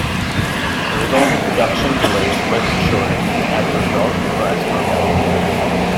The resulting production delays led to shortage and as a result, riots broke out.